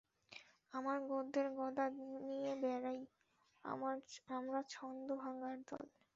আমরা গদ্যের গদা নিয়ে বেড়াই, আমরা ছন্দ ভাঙার দল।